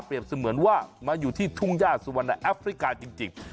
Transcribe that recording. เปรียบเสมือนว่ามาอยู่ที่ถุงญาติสุวรรณาแอฟริกาจริง